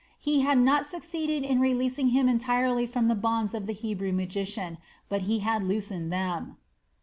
He had not succeeded in releasing him entirely from the bonds of the Hebrew magician, but he had loosened them.